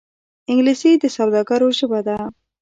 انګلیسي د سوداګرو ژبه ده